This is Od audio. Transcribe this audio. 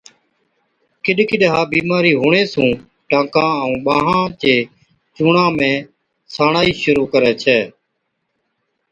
ڪِڏ ڪِڏ ها بِيمارِي هُوَڻي سُون ٽانڪان ائُون ٻانهان چي جوڙان ۾ ساڻائِي شرُوع ڪرَي ڇَي۔